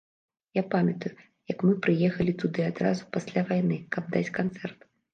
Я памятаю, як мы прыехалі туды адразу пасля вайны, каб даць канцэрт.